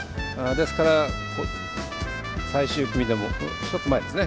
ですから最終組、１つ前ですね。